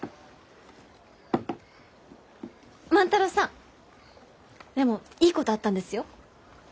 万太郎さんでもいいことあったんですよ。